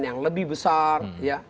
yang lebih besar